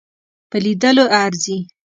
په لیدلو ارزي.